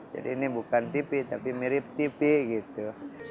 jadi ini bukan tv tapi mirip tv gitu